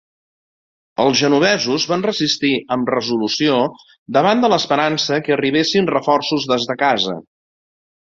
Els genovesos van resistir amb resolució davant de l'esperança que arribessin reforços des de casa.